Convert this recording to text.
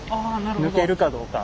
抜けるかどうか。